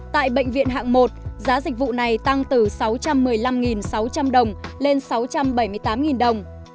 tại bệnh viện hạng một giá dịch vụ này tăng từ sáu trăm một mươi năm sáu trăm linh đồng lên sáu trăm bảy mươi tám đồng